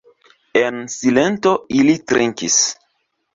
En silento li trinkis.